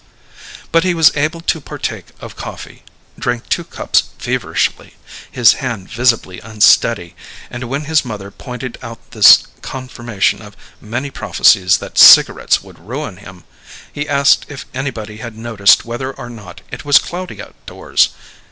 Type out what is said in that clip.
But he was able to partake of coffee; drank two cups feverishly, his hand visibly unsteady; and when his mother pointed out this confirmation of many prophecies that cigarettes would ruin him, he asked if anybody had noticed whether or not it was cloudy outdoors.